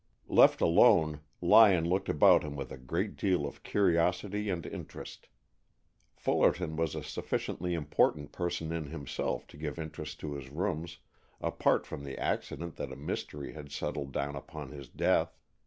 Left alone, Lyon looked about him with a great deal of curiosity and interest. Fullerton was a sufficiently important person in himself to give interest to his rooms, apart from the accident that a mystery had settled down upon his death.